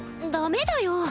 ダメだよ。